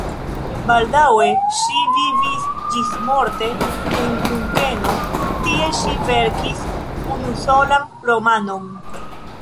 Baldaŭe ŝi vivis ĝismorte en Munkeno, tie ŝi verkis unusolan romanon.